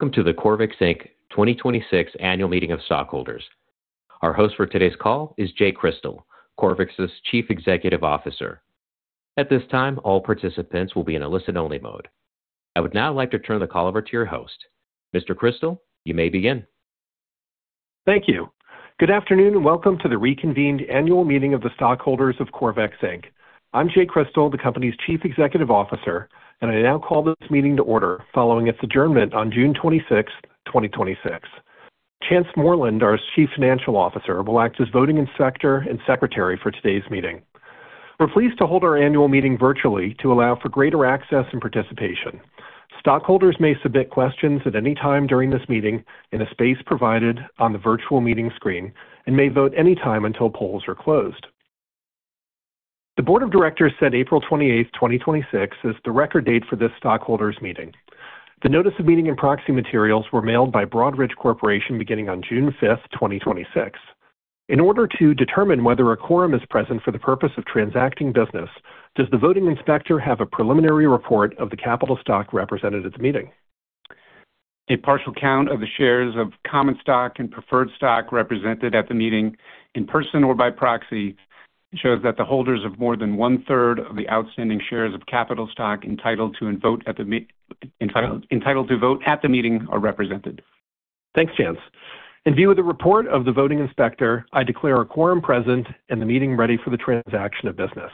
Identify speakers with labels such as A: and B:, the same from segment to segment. A: Welcome to the Corvex, Inc. 2026 Annual Meeting of Stockholders. Our host for today's call is Jay Crystal, Corvex's Chief Executive Officer. At this time, all participants will be in a listen-only mode. I would now like to turn the call over to your host. Mr. Crystal, you may begin.
B: Thank you. Good afternoon, and welcome to the reconvened annual meeting of the stockholders of Corvex, Inc. I'm Jay Crystal, the company's Chief Executive Officer, and I now call this meeting to order following its adjournment on June 26th, 2026. Chance Moreland, our Chief Financial Officer, will act as voting inspector and secretary for today's meeting. We're pleased to hold our annual meeting virtually to allow for greater access and participation. Stockholders may submit questions at any time during this meeting in a space provided on the virtual meeting screen and may vote any time until polls are closed. The Board of Directors set April 28th, 2026, as the record date for this stockholders meeting. The notice of meeting and proxy materials were mailed by Broadridge Financial Solutions beginning on June 5th, 2026. In order to determine whether a quorum is present for the purpose of transacting business, does the voting inspector have a preliminary report of the capital stock represented at the meeting?
C: A partial count of the shares of common stock and preferred stock represented at the meeting in person or by proxy shows that the holders of more than one-third of the outstanding shares of capital stock entitled to vote at the meeting are represented.
B: Thanks, Chance. In view of the report of the voting inspector, I declare a quorum present and the meeting ready for the transaction of business.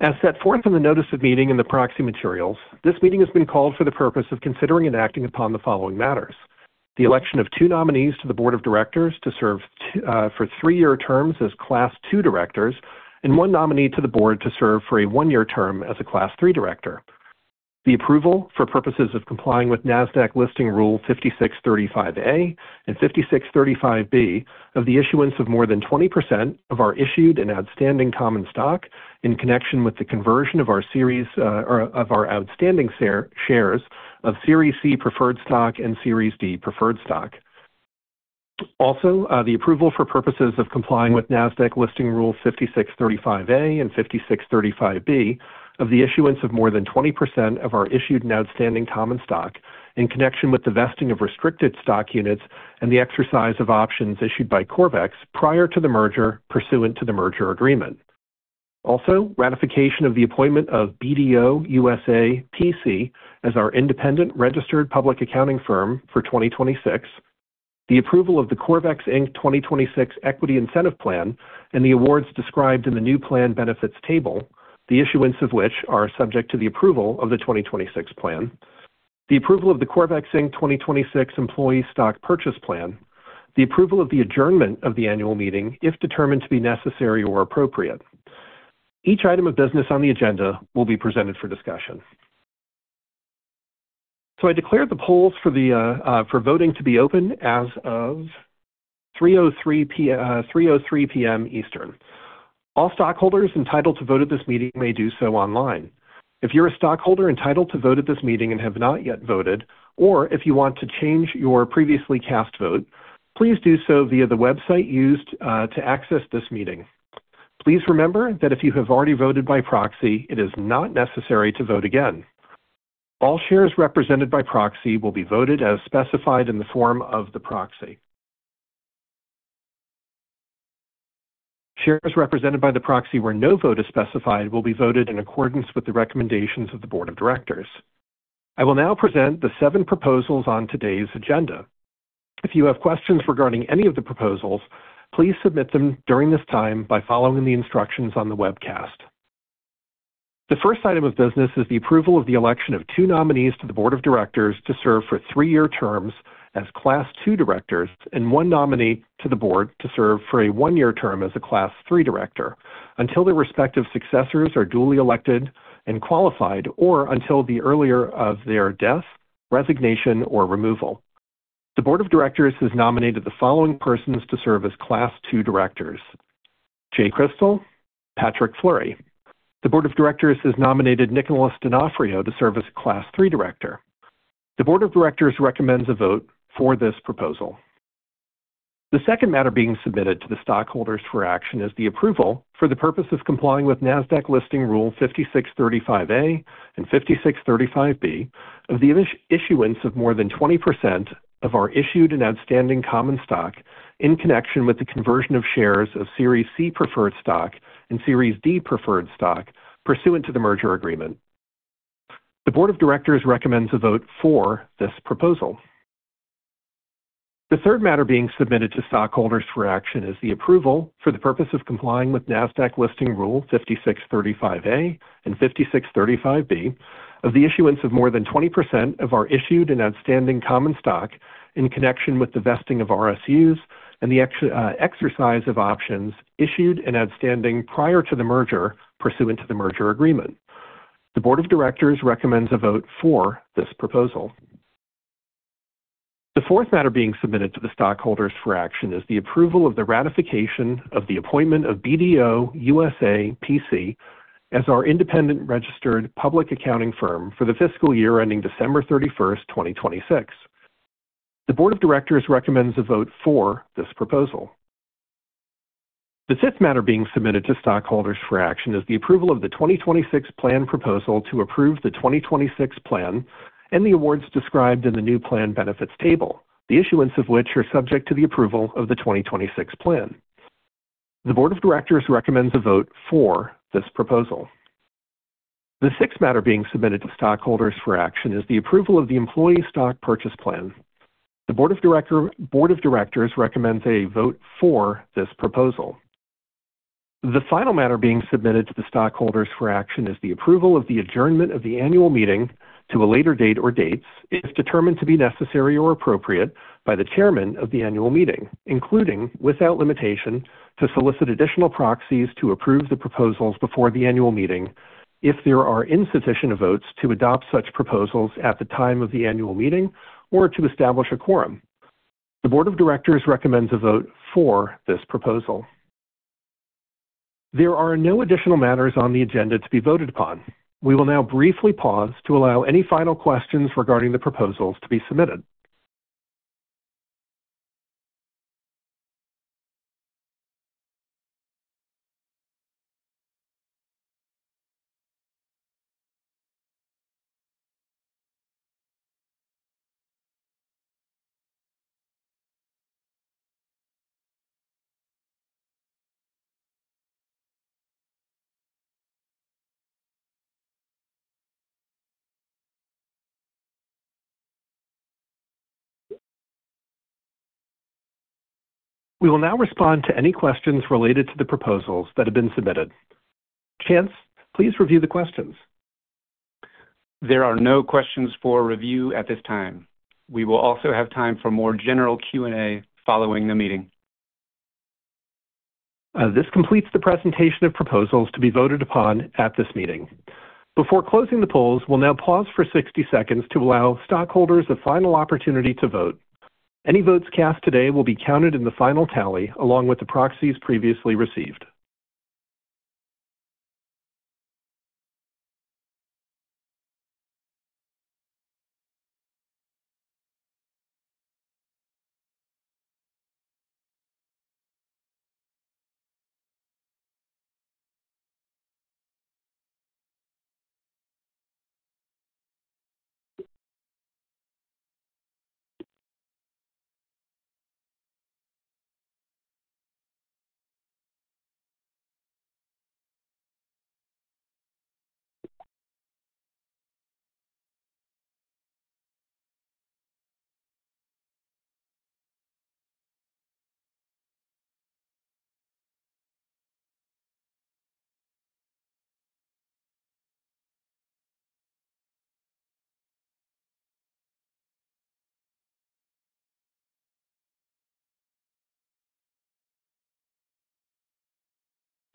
B: As set forth in the notice of meeting and the proxy materials, this meeting has been called for the purpose of considering and acting upon the following matters: the election of two nominees to the Board of Directors to serve for three-year terms as Class II directors and one nominee to the Board to serve for a one-year term as a Class III director. The approval, for purposes of complying with NASDAQ Listing Rule 5635(a) and Rule 5635(b), of the issuance of more than 20% of our issued and outstanding common stock in connection with the conversion of our outstanding shares of Series C preferred stock and Series D preferred stock. The approval for purposes of complying with NASDAQ Listing Rule 5635(a) and Rule 5635(b) of the issuance of more than 20% of our issued and outstanding common stock in connection with the vesting of Restricted Stock Units and the exercise of options issued by Corvex prior to the merger pursuant to the merger agreement. Ratification of the appointment of BDO USA, P.C. as our Independent Registered Public Accounting Firm for 2026, the approval of the Corvex, Inc. 2026 equity incentive plan and the awards described in the new plan benefits table, the issuance of which are subject to the approval of the 2026 plan. The approval of the Corvex, Inc. 2026 Employee Stock Purchase Plan. The approval of the adjournment of the annual meeting if determined to be necessary or appropriate. Each item of business on the agenda will be presented for discussion. I declare the polls for voting to be open as of 3:03 P.M. Eastern. All stockholders entitled to vote at this meeting may do so online. If you're a stockholder entitled to vote at this meeting and have not yet voted, or if you want to change your previously cast vote, please do so via the website used to access this meeting. Please remember that if you have already voted by proxy, it is not necessary to vote again. All shares represented by proxy will be voted as specified in the form of the proxy. Shares represented by the proxy where no vote is specified will be voted in accordance with the recommendations of the Board of Directors. I will now present the seven proposals on today's agenda. If you have questions regarding any of the proposals, please submit them during this time by following the instructions on the webcast. The first item of business is the approval of the election of two nominees to the Board of Directors to serve for three-year terms as Class II directors and one nominee to the Board to serve for a one-year term as a Class III director, until their respective successors are duly elected and qualified, or until the earlier of their death, resignation, or removal. The Board of Directors has nominated the following persons to serve as Class II directors, Jay Crystal, Patrick Fleury. The Board of directors has nominated Nicholas Donofrio to serve as Class III director. The Board of Directors recommends a vote for this proposal. The second matter being submitted to the stockholders for action is the approval for the purpose of complying with NASDAQ Listing Rule 5635(a) and 5635(b) of the issuance of more than 20% of our issued and outstanding common stock in connection with the conversion of shares of Series C preferred stock and Series D preferred stock pursuant to the merger agreement. The Board of Directors recommends a vote for this proposal. The third matter being submitted to stockholders for action is the approval for the purpose of complying with NASDAQ Listing Rule 5635(a) and 5635(b) of the issuance of more than 20% of our issued and outstanding common stock in connection with the vesting of RSUs and the exercise of options issued and outstanding prior to the merger pursuant to the merger agreement. The Board of Directors recommends a vote for this proposal. The fourth matter being submitted to the stockholders for action is the approval of the ratification of the appointment of BDO USA, P.C. as our Independent Registered Public Accounting Firm for the fiscal year ending December 31, 2026. The Board of Directors recommends a vote for this proposal. The fifth matter being submitted to stockholders for action is the approval of the 2026 Plan proposal to approve the 2026 Plan and the awards described in the new plan benefits table, the issuance of which are subject to the approval of the 2026 Plan. The Board of Directors recommends a vote for this proposal. The sixth matter being submitted to stockholders for action is the approval of the employee stock purchase plan. The Board of Directors recommends a vote for this proposal. The final matter being submitted to the stockholders for action is the approval of the adjournment of the annual meeting to a later date or dates if determined to be necessary or appropriate by the Chairman of the annual meeting, including, without limitation, to solicit additional proxies to approve the proposals before the annual meeting, if there are insufficient votes to adopt such proposals at the time of the annual meeting or to establish a quorum. The Board of Directors recommends a vote for this proposal. There are no additional matters on the agenda to be voted upon. We will now briefly pause to allow any final questions regarding the proposals to be submitted. We will now respond to any questions related to the proposals that have been submitted. Chance, please review the questions.
C: There are no questions for review at this time. We will also have time for more general Q&A following the meeting.
B: This completes the presentation of proposals to be voted upon at this meeting. Before closing the polls, we'll now pause for 60 seconds to allow stockholders the final opportunity to vote. Any votes cast today will be counted in the final tally, along with the proxies previously received.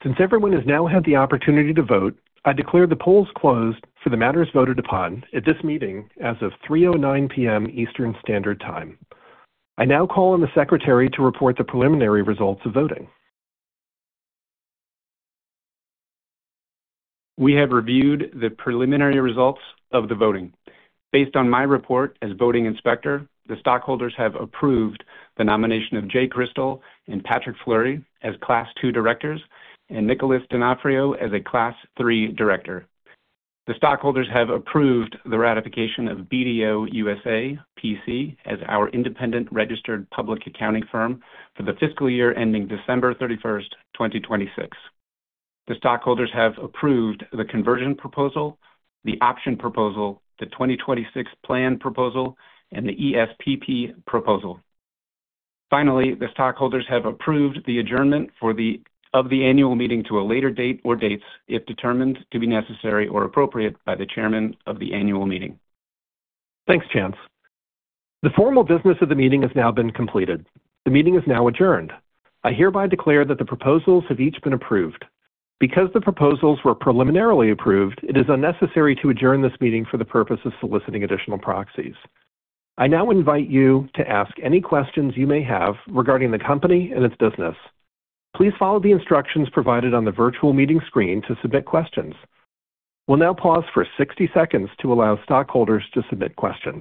B: Since everyone has now had the opportunity to vote, I declare the polls closed for the matters voted upon at this meeting as of 3:09 P.M. Eastern Standard Time. I now call on the secretary to report the preliminary results of voting.
C: We have reviewed the preliminary results of the voting. Based on my report as voting inspector, the stockholders have approved the nomination of Jay Crystal and Patrick Fleury as Class II directors and Nicholas Donofrio as a Class III director. The stockholders have approved the ratification of BDO USA, P.C. as our Independent Registered Public Accounting Firm for the fiscal year ending December 31st, 2026. The stockholders have approved the conversion proposal, the option proposal, the 2026 plan proposal, and the ESPP proposal. The stockholders have approved the adjournment of the annual meeting to a later date or dates, if determined to be necessary or appropriate by the chairman of the annual meeting.
B: Thanks, Chance. The formal business of the meeting has now been completed. The meeting is now adjourned. I hereby declare that the proposals have each been approved. Because the proposals were preliminarily approved, it is unnecessary to adjourn this meeting for the purpose of soliciting additional proxies. I now invite you to ask any questions you may have regarding the company and its business. Please follow the instructions provided on the virtual meeting screen to submit questions. We'll now pause for 60 seconds to allow stockholders to submit questions.